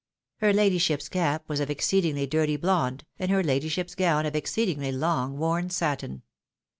Her ladyship's cap was of exceedingly dirty blonde, and her ladyship's gown of exceedingly long worn satin.